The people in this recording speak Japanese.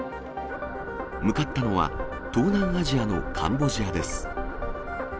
向かったのは、東南アジアのカンボジアです。